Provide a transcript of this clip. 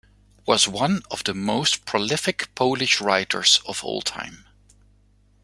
Was one of the most prolific Polish writers of all times.